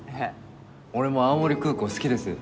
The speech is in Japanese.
俺も青森空港好きです。